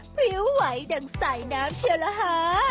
พริ้วไหวดังใสน้ำเชียวละฮะ